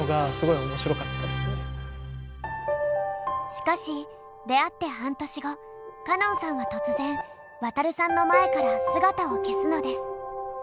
しかし出会って半年後歌音さんは突然ワタルさんの前から姿を消すのです。